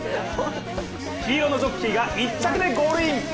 黄色のジョッキーが１着でゴールイン。